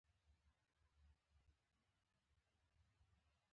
د کریم خان زند په مړینې سره په ایران کې جګړه پیل شوه.